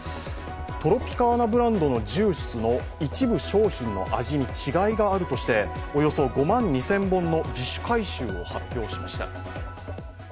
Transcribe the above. トロピカーナブランドのジュースの一部商品の味に違いがあるとしておよそ５万２０００本の自主回収を発表しました。